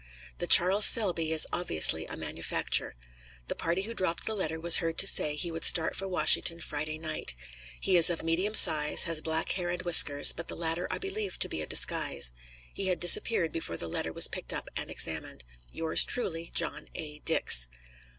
The Charles Selby is obviously a manufacture. The party who dropped the letter was heard to say he would start for Washington Friday night. He is of medium size, has black hair and whiskers, but the latter are believed to be a disguise. He had disappeared before the letter was picked up and examined. Yours truly, JOHN A. DIX.